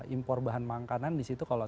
impor bahan makanan di situ kalau